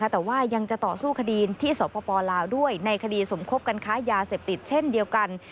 แต่ว่ายังจะต่อสู้คดีที่สปลาวด้วยในคดีสมคบกันค้ายาเสพติดเช่นเดียวกัน